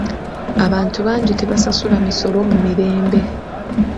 Abantu bangi tebasasula misolo mu mirembe.